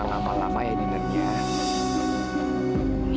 dalam kurungnya mukanya gak tentang janji hobby